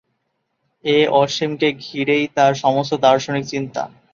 এ-অসীমকে ঘিরেই তার সমস্ত দার্শনিক চিন্তা।